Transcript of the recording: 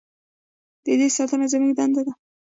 د دې ساتنه زموږ دنده ده؟